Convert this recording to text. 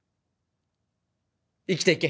生きていけ